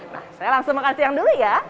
nah saya langsung makan siang dulu ya